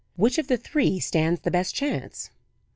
"Which of the three stands the best chance?"